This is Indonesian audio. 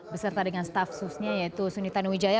beserta dengan staff susnya yaitu suni tanuwijaya